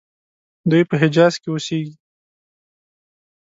دوی په حجاز کې اوسیږي.